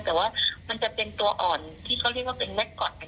แต่ว่ามันจะเป็นตัวอ่อนที่เขาเรียกว่าเป็นแม็กกอต